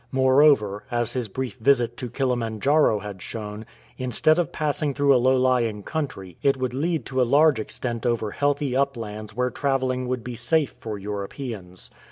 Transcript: Moreover, as his brief visit to Kilimanjaro had shown, instead of passing through a low lying country, it would lead to a large extent over healthy uplands where travelling would be safe for Europeans.